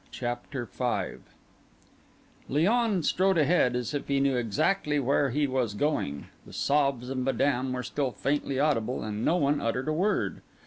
CHAPTER V Léon strode ahead as if he knew exactly where he was going; the sobs of Madame were still faintly audible, and no one uttered a word.